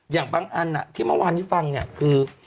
อย่างบางอันที่เมื่อวานที่ฟังคือ